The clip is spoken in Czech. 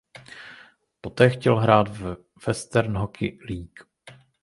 Poté chtěl hrát v Western Hockey League.